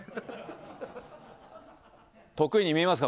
得意に見えますか？